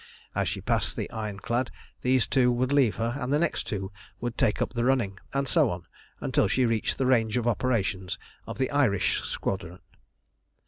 As she passed the ironclad these two would leave her, and the next two would take up the running, and so on until she reached the range of operations of the Irish Squadron.